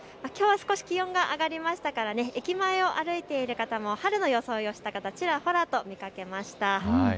きょうは少し気温が上がりましたからね、駅前を歩いている方も春の装いをした方、ちらほら見かけました。